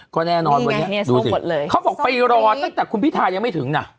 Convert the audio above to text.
ก็แน่นอนเงี่ยส่วนโบสถ์เลยเขาบอกไปรอตั้งแต่คุณพิทายังไม่ถึงนะ